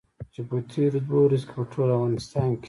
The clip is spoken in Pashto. چې په تېرو دوو ورځو کې په ټول افغانستان کې.